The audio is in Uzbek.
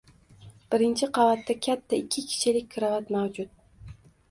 birinchi qavatda katta ikki kishilik karavot mavjud.